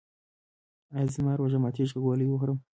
ایا زما روژه ماتیږي که ګولۍ وخورم؟